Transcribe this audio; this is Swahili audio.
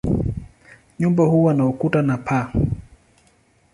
Nyumba huwa na ukuta na paa.